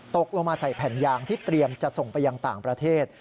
ตกลงมาใส่แผ่นยางที่เตรียมจะส่งไปยังต่างประเทศ